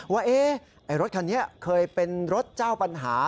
ว่ารถคันนี้เคยเป็นรถเจ้าปัญหา